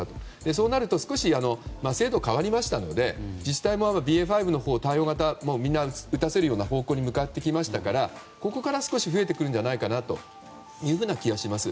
そうなると少し制度が変わりましたので自治体もＢＡ．５の対応型をみんな打たせるような方向に向かってきましたからここから少し増えてくるんじゃないかなという気がします。